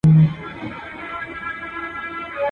تر څو به نوي جوړوو زاړه ښارونه سوځو؟.